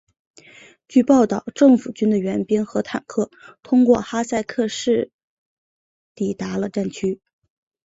据报道政府军的援兵和坦克通过哈塞克市抵达了战区。